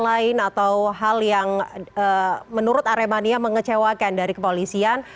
lain atau hal yang menurut aremania mengecewakan dari kepolisian